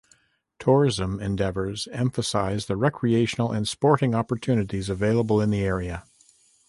Tourism endeavours emphasise the recreational and sporting opportunities available in the area.